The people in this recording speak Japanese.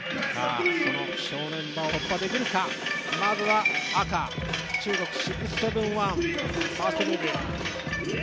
その正念場を突破できるかまずは赤中国６７１、ファーストムーブ。